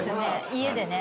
家でね。